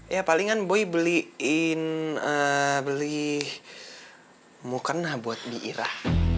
ya palingan boy belikan beli apa ya buat bibi rah